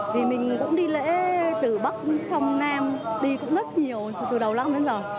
vì mình cũng đi lễ từ bắc trong nam đi cũng rất nhiều từ đầu năm đến giờ